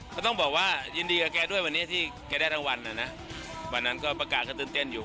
ก็ต้องบอกว่ายินดีกับแกด้วยวันนี้ที่แกได้รางวัลน่ะนะวันนั้นก็ประกาศก็ตื่นเต้นอยู่